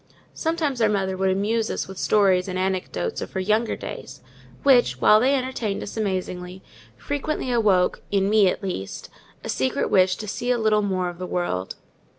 Sometimes our mother would amuse us with stories and anecdotes of her younger days, which, while they entertained us amazingly, frequently awoke—in me, at least—a secret wish to see a little more of the world.